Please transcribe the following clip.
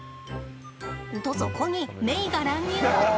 と、そこにメイが乱入！